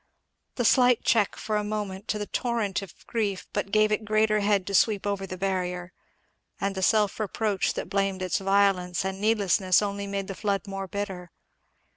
The slight check for a moment to the torrent of grief but gave it greater head to sweep over the barrier; and the self reproach that blamed its violence and needlessness only made the flood more bitter.